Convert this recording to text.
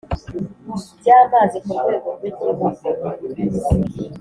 by Amazi ku rwego rw Igihugu